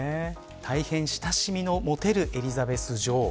大変親しみの持てるエリザベス女王。